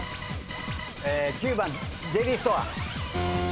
９番デイリーストア。